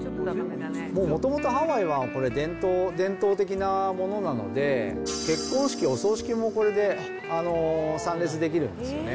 もともとハワイはこれ、伝統的なものなので、結婚式、お葬式もこれで参列できるんですよね。